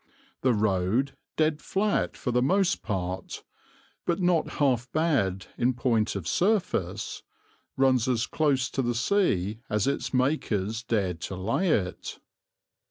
The road, dead flat for the most part, but not half bad in point of surface, runs as close to the sea as its makers dared to lay it.